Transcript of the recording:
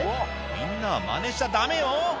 みんなはマネしちゃダメよ